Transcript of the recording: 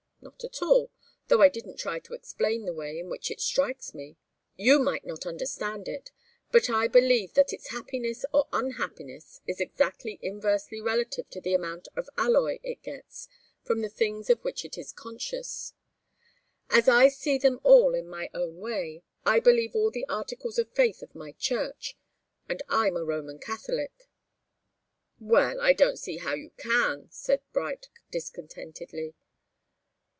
Not at all, though I didn't try to explain the way in which it strikes me. You might not understand it. But I believe that its happiness or unhappiness is exactly inversely relative to the amount of alloy it gets from the things of which it is conscious. As I see them all in my own way, I believe all the articles of faith of my church, and I'm a Roman Catholic." "Well I don't see how you can," said Bright, discontentedly.